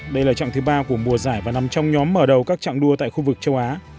đây là trạng thứ ba của mùa giải và nằm trong nhóm mở đầu các trạng đua tại khu vực châu á